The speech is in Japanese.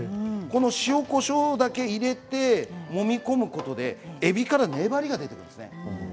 この塩、こしょうだけ入れてもみ込むことでえびから粘りが出てくるんですね。